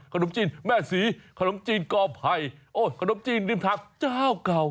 ขนมจีนแม่ศรีขนมจีนกอไผ่โอ้ขนมจีนริมทางเจ้าเก่า